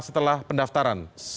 jadi setelah pendaftaran